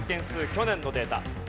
去年のデータ。